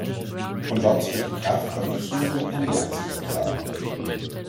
Von dort wird die Kraft auf die hintere Pendelachse übertragen.